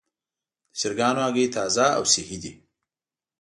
د چرګانو هګۍ تازه او صحي دي.